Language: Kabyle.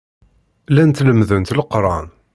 Llant lemmdent Leqran.